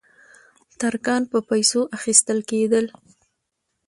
ترکان په پیسو اخیستل کېدل.